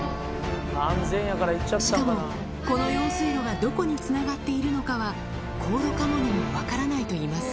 しかも、この用水路がどこにつながっているのかは、コード・カモにも分からないといいます。